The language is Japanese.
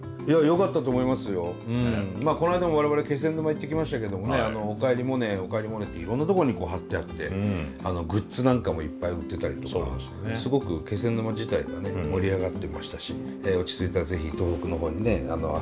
まあこの間も我々気仙沼行ってきましたけどもね「おかえりモネ」「おかえりモネ」っていろんなとこにこう貼ってあってグッズなんかもいっぱい売ってたりとかすごく気仙沼自体がね盛り上がってましたし落ち着いたら是非東北の方にね遊びに来てほしいなと思いますよ。